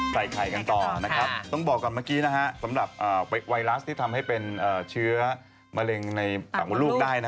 ใส่ไข่กันต่อนะครับต้องบอกก่อนเมื่อกี้นะฮะสำหรับไวรัสที่ทำให้เป็นเชื้อมะเร็งในต่างมดลูกได้